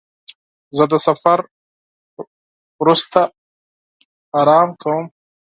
زه د سفر وروسته آرام کوم.